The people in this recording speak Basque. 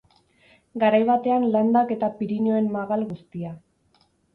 Garai batean Landak eta Pirinioen magal guztia.